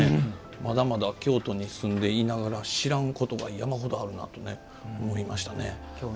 まだまだ京都に住んでいながら知らんことが山ほどあるなと思いました。